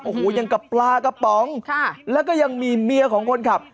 โอ้โหยังกับปลากระป๋องแล้วก็ยังมีเมียของคนขับ